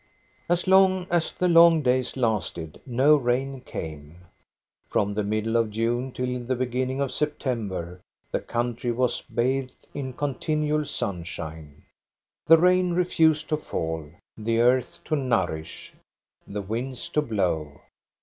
As long as the long days lasted, no rain came. From the middle of June till the beginning of Sep tember, the country was bathed in continual sunshine. The rain refused to fall, the earth to nourish, the winds to blow.